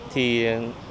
thì có rất nhiều khó khăn